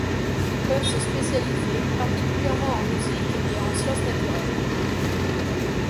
Ils peuvent se spécialiser particulièrement en musique et en sciences naturelles.